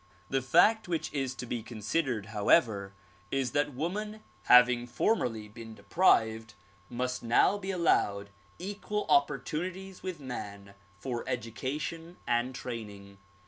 The fact which is to be considered however is that woman having formeily'been deprived must now be allowed equal opportunities with man for education and training.